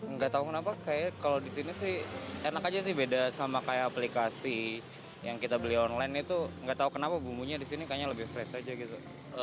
nggak tahu kenapa kayaknya kalau di sini sih enak aja sih beda sama kayak aplikasi yang kita beli online itu nggak tahu kenapa bumbunya di sini kayaknya lebih fresh aja gitu